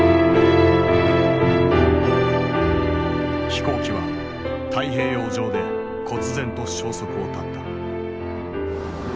飛行機は太平洋上でこつ然と消息を絶った。